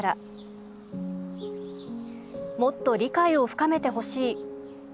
もっと理解を深めて欲しい。